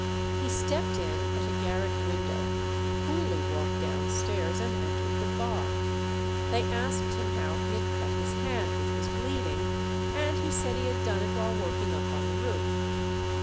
He stepped in at a garret window, coolly walked downstairs, and entered the bar. They asked him how he had cut his hand, which was bleeding, and he said he had done it while working up on the roof.